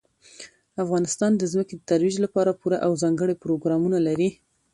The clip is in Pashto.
افغانستان د ځمکه د ترویج لپاره پوره او ځانګړي پروګرامونه لري.